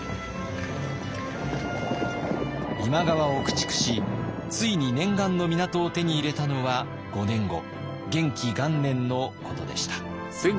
今川を駆逐しついに念願の港を手に入れたのは５年後元亀元年のことでした。